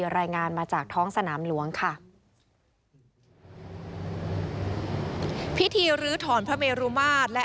ลงจากยอดพระเมรุมาต